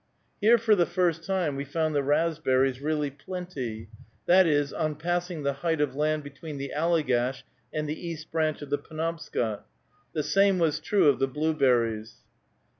Here for the first time we found the raspberries really plenty, that is, on passing the height of land between the Allegash and the East Branch of the Penobscot; the same was true of the blueberries.